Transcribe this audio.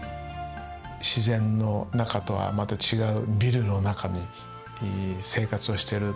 自然の中とはまた違うビルの中に生活しているところでね